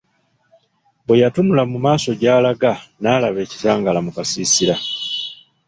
Bwe yatunula mu maaso gy'alaga n'alaba ekitangaala mu kasiisira.